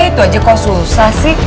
itu aja kok susah sih